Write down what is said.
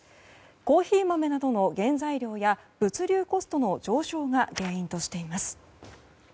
コーヒー豆などの原材料や物流コストの上昇が原因としています。